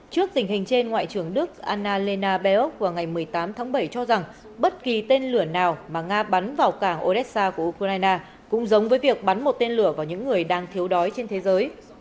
trước tình hình trên ngoại trưởng đức anna lena beok vào ngày một mươi tám tháng bảy cho rằng bất kỳ tên lửa nào mà nga bắn vào cảng odessa của ukraine cũng giống với việc bắn một tên lửa vào những người đang thiếu đói trên thế giới